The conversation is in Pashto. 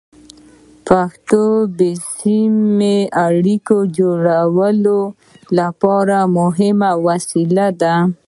پښتو د بې سیمه اړیکو جوړولو لپاره مهمه وسیله ده.